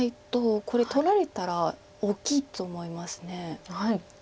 これ取られたら大きいと思います。